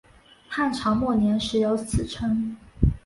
汉朝末年始有此称。